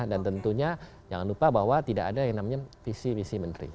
dan tentunya jangan lupa bahwa tidak ada yang namanya visi visi menteri